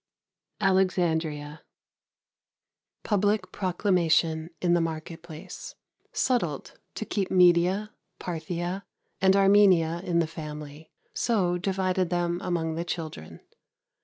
Alexandria. Public proclamation in the market place. Settled to keep Media, Parthia and Armenia in the family, so divided them among the children.